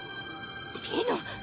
ピノ。